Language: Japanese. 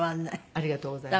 ありがとうございます。